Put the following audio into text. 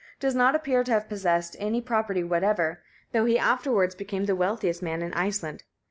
1197), does not appear to have possessed any property whatever, though he afterwards became the wealthiest man in Iceland.